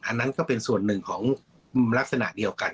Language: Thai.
อันนั้นก็เป็นส่วนหนึ่งของลักษณะเดียวกัน